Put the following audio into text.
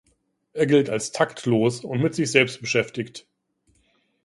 Er gilt als taktlos und mit sich selbst beschäftigt.